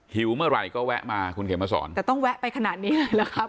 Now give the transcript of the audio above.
หิวเมื่อไหร่ก็แวะมาคุณเขมมาสอนแต่ต้องแวะไปขนาดนี้เลยล่ะครับ